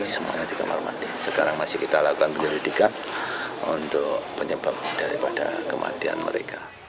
semuanya di kamar mandi sekarang masih kita lakukan penyelidikan untuk penyebab daripada kematian mereka